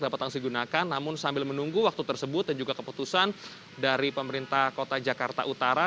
dapat langsung digunakan namun sambil menunggu waktu tersebut dan juga keputusan dari pemerintah kota jakarta utara